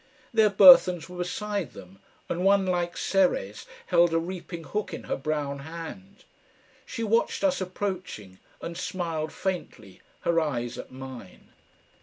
Their burthens were beside them, and one like Ceres held a reaping hook in her brown hand. She watched us approaching and smiled faintly, her eyes at mine.